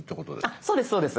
あっそうですそうです。